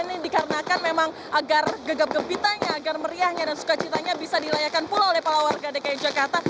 ini dikarenakan memang agar gegap gempitanya agar meriahnya dan sukacitanya bisa dilayakan pula oleh para warga dki jakarta